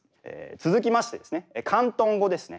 続きましてですね広東語ですね。